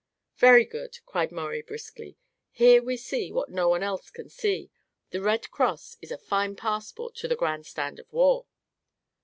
"Very good!" cried Maurie briskly. "Here we see what no one else can see. The Red Cross is a fine passport to the grand stand of war."